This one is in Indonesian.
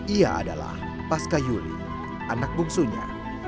ia adalah pascayuli anak bungsunya